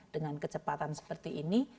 dengan kecepatan seperti ini